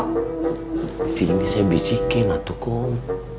di sini saya bisikin ya tukum